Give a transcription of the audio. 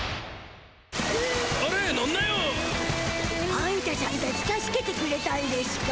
あんたしゃんたち助けてくれたんでしゅか？